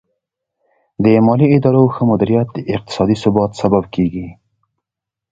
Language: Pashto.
د مالي ادارو ښه مدیریت د اقتصادي ثبات سبب کیږي.